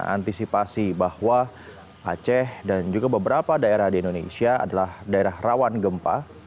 antisipasi bahwa aceh dan juga beberapa daerah di indonesia adalah daerah rawan gempa